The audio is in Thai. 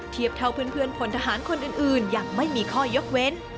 เทียบเท่าเพื่อนคนทหารคนอื่นอย่างไม่มีข้อยกเว้น